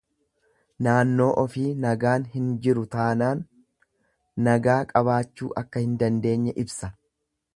Naannoo ofii nagaan hin jiru taanaan nagaa qabaachuu akka hin dandeenye ibsa.